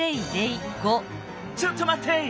ちょっとまって！